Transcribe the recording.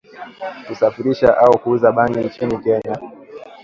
kusafirisha au kuuza bangi nchini Kenya